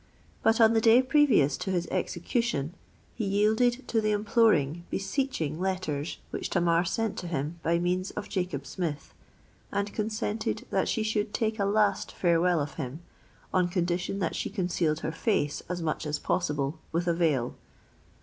But on the day previous to his execution, he yielded to the imploring—beseeching letters which Tamar sent to him by means of Jacob Smith; and consented that she should take a last farewell of him, on condition that she concealed her face as much as possible with a veil.